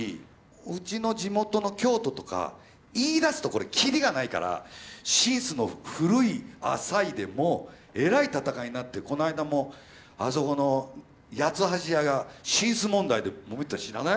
うちの地元の京都とか言いだすとこれきりがないから「シンス」の古い浅いでもうえらい闘いになってこの間もあそこの八ツ橋屋がシンス問題でもめてたの知らない？